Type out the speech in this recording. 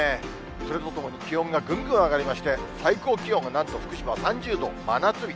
それとともに気温がぐんぐん上がりまして、最高気温がなんと福島は３０度、真夏日。